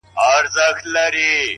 • خو شیطان یې دی په زړه کي ځای نیولی ,